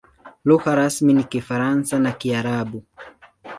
Lugha rasmi ni Kifaransa na Kiarabu.